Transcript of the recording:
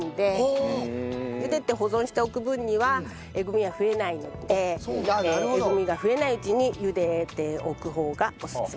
ゆでて保存しておく分にはえぐみは増えないのでえぐみが増えないうちにゆでておく方がおすすめです。